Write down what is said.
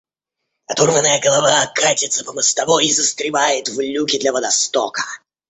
Оторванная голова катится по мостовой и застревает в люке для водостока.